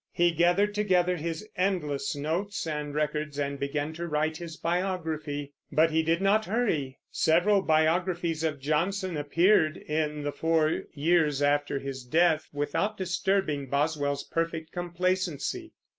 He gathered together his endless notes and records, and began to write his biography; but he did not hurry. Several biographies of Johnson appeared, in the four years after his death, without disturbing Boswell's perfect complacency.